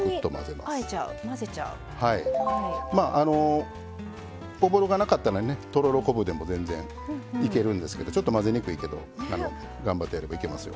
まああのおぼろがなかったらねとろろ昆布でも全然いけるんですけどちょっと混ぜにくいけど頑張ってやればいけますよ。